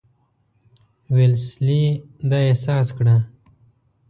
ویلسلي دا احساس کړه.